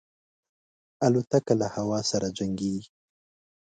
الوتکه له هوا سره جنګيږي.